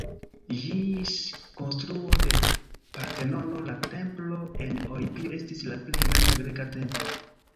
Ĝis konstruo de Partenono la templo en Olimpio estis la plej granda greka templo.